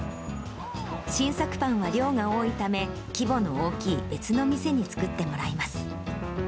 新作パンは量が多いため、規模の大きい別の店に作ってもらいます。